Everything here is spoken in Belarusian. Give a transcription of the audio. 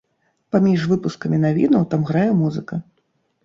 Паміж выпускамі навінаў там грае музыка.